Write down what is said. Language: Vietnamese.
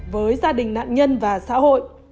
với gia đình nạn nhân và xã hội